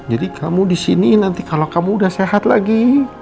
jadi kamu di sini nanti kalau kamu udah sehat lagi